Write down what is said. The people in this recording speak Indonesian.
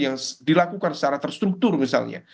yang dilakukan secara terstruktur misalnya